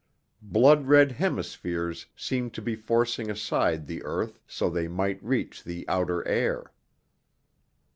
Blood red hemispheres seemed to be forcing aside the earth so they might reach the outer air.